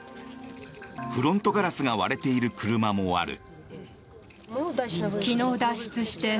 フロントガラスが割れている車もある。